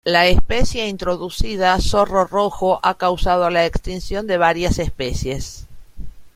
La especie introducida zorro rojo ha causado la extinción de varias especies.